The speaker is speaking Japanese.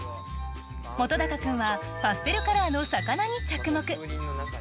本君はパステルカラーの魚に着目。